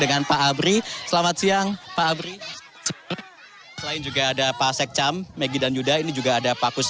dengan pak abri selamat siang pak abri lain juga ada pak sekcam megi dan yuda ini juga ada pakus